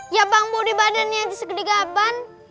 ya bang bodi badannya yang segede gaban